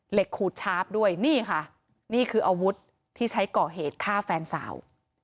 ขูดชาร์ฟด้วยนี่ค่ะนี่คืออาวุธที่ใช้ก่อเหตุฆ่าแฟนสาว